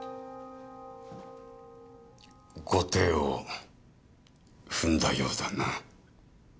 後手を踏んだようだな。